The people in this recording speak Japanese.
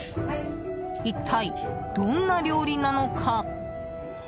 一体、どんな料理なのか？